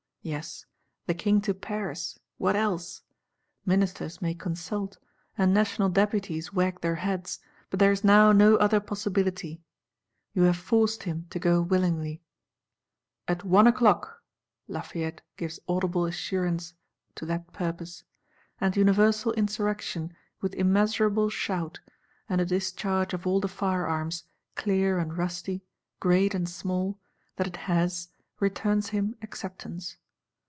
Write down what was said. Yes, The King to Paris: what else? Ministers may consult, and National Deputies wag their heads: but there is now no other possibility. You have forced him to go willingly. 'At one o'clock!' Lafayette gives audible assurance to that purpose; and universal Insurrection, with immeasurable shout, and a discharge of all the firearms, clear and rusty, great and small, that it has, returns him acceptance.